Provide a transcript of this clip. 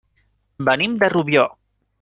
Venim de Rubió.